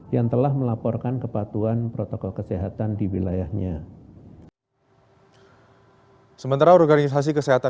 yang telah melaporkan kepatuhan protokol kesehatan